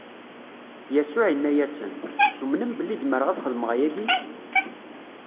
Yasuɛ inna-asen:Tumnem belli zemreɣ ad xedmeɣ ayagi?